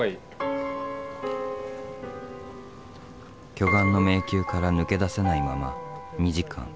巨岩の迷宮から抜け出せないまま２時間。